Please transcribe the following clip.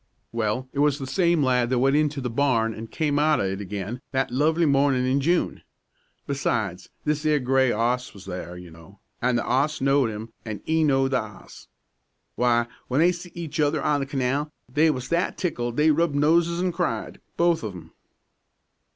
"Well, it was the same lad that went into the barn an' came out of it again that lovely mornin' in June. Besides, this 'ere gray 'oss was there, you know, and the 'oss knowed 'im, an' 'e knowed the 'oss. W'y, w'en they see each other on the canal, they was that tickled they rubbed noses an' cried, both of 'em."